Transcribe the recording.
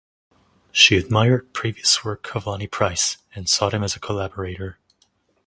She admired previous work of Lonny Price and sought him as a collaborator.